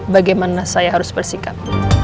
bagaimana saya harus bersikap